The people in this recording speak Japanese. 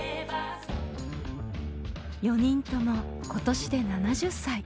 ４人とも今年で７０歳。